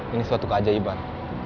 ini suatu keajaiban